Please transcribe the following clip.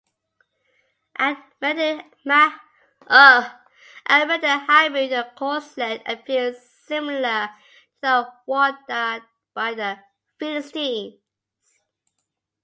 At Medinet Habu the corselet appears similar to that worn by the Philistines.